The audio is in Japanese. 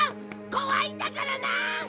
怖いんだからな！